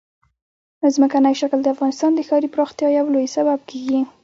ځمکنی شکل د افغانستان د ښاري پراختیا یو لوی سبب کېږي.